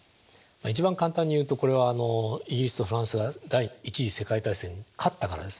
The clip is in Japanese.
一番簡単に言うとこれはイギリスとフランスが第一次世界大戦に勝ったからです。